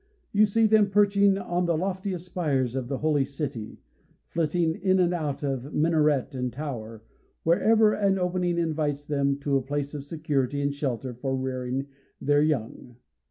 You see them perching on the loftiest spires of the Holy City, flitting in and out of minaret and tower, wherever an opening invites them to a place of security and shelter for rearing their young.